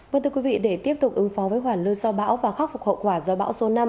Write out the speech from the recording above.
vâng thưa quý vị để tiếp tục ứng phó với hoàn lưu sau bão và khắc phục hậu quả do bão số năm